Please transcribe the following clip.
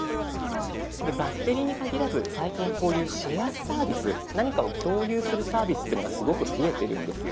バッテリーに限らず最近こういう「シェアサービス」何かを共有するサービスっていうのがすごく増えてるんですよね。